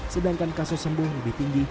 sedangkan kasus sembuh lebih tinggi